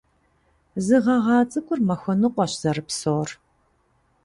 Зы гъэгъа цӀыкӀур махуэ ныкъуэщ зэрыпсэур.